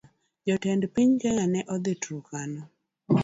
Jatend piny kenya ne odhii Turkana